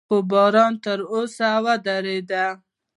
خو باران تر اوسه ورېده.